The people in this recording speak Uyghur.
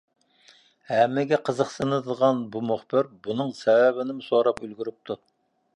ھەممىگە قىزىقسىنىدىغان بۇ مۇخبىر بۇنىڭ سەۋەبىنىمۇ سوراپ ئۈلگۈرۈپتۇ.